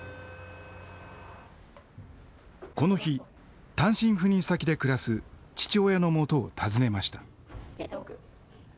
この日単身赴任先で暮らす父親のもとを訪ねました。